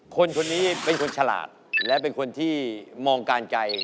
คนคนนี้เป็นคนฉลาดและเป็นคนที่มองการไกล